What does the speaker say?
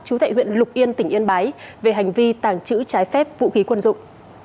chú tại huyện lục yên tỉnh yên bái về hành vi tàng trữ trái phép vũ khí quân dụng